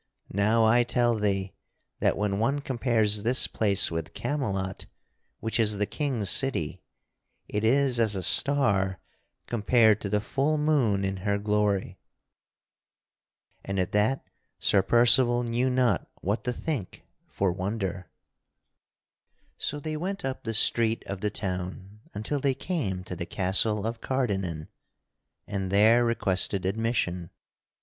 Now I tell thee that when one compares this place with Camelot (which is the King's city) it is as a star compared to the full moon in her glory." And at that Sir Percival knew not what to think for wonder. So they went up the street of the town until they came to the castle of Cardennan and there requested admission.